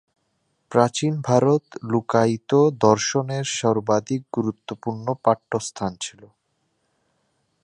প্রাচীন ভারত লোকায়ত দর্শনের সর্বাধিক গুরুত্বপূর্ণ পীঠস্থান ছিল।